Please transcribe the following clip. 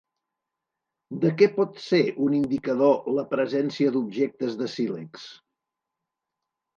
De què pot ser un indicador la presència d'objectes de sílex?